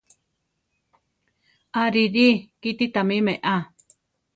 Arirí! kíti tamí meʼá!